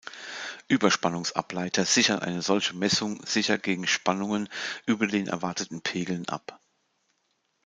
Überspannungsableiter sichern eine solche Messung sicher gegen Spannungen über den erwarteten Pegeln ab.